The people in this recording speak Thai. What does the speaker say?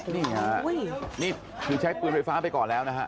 นี่ค่ะนี่คือใช้ปืนไฟฟ้าไปก่อนแล้วนะฮะ